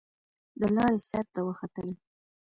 د لارۍ سر ته وختل.